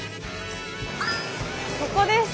ここです！